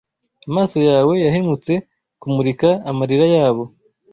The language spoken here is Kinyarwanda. Amaso yawe yahemutse kumurika amarira yabo